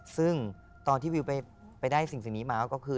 ซึ่งตอนที่วิวไปได้สิ่งนี้มาก็คือ